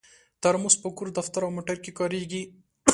ترموز په کور، دفتر او موټر کې کارېږي.